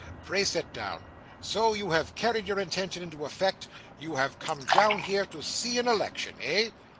Pray sit down. So you have carried your intention into effect. You have come down here to see an election eh?